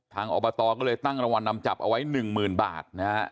ทางอบตก็เลยตั้งรวรรณนำจับเอาไว้๑๐๐๐๐บาทนะครับ